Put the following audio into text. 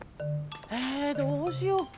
えどうしよっか？